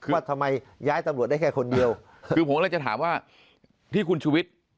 ว่าทำไมย้ายตำรวจได้แค่คนเดียวคือผมก็เลยจะถามว่าที่คุณชุวิต